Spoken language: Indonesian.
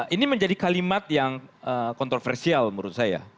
ini menjadi kalimat yang kontroversial menurut saya